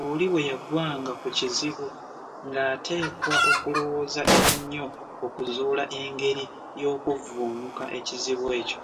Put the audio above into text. Oli bwe yagwanga ku kizibu ng’ateekwa okulowooza ennyo okuzuula engeri y’okuvvuunukamu ekizibu ekyo.